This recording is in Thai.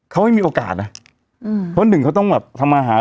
เขาไม่มีโอกาสนะอืมเพราะหนึ่งเขาต้องแบบทำมาหา